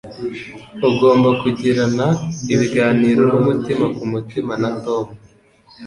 Ugomba kugirana ibiganiro numutima kumutima na Tom.